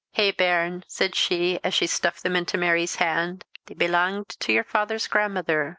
"Hae, bairn," said she as she stuffed them into Mary's hand; "they belanged to your father's grandmother.